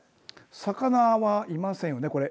魚はいませんよね、これ。